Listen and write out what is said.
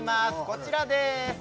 こちらです